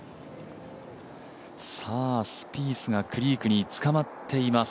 スピースがクリークに捕まっています。